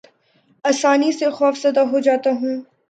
آسانی سے خوف زدہ ہو جاتا ہوں